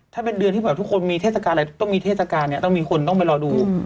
ถ้าเป็นเดือนที่แบบทุกคนมีเทศกาลอะไรต้องมีเทศกาลเนี่ยต้องมีคนต้องไปรอดู